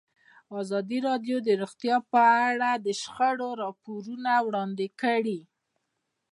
ازادي راډیو د روغتیا په اړه د شخړو راپورونه وړاندې کړي.